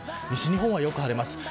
西日本は、よく晴れます。